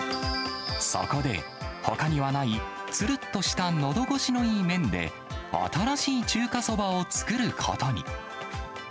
そこで、ほかにはない、つるっとしたのどごしのいい麺で、新しい中華そばを作ることに。